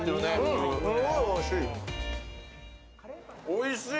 おいしい。